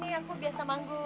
di sini aku biasa manggung